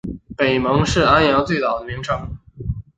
北蒙是安阳最早的名称。